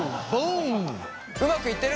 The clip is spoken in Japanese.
うまくいってる？